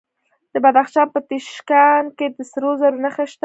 د بدخشان په تیشکان کې د سرو زرو نښې شته.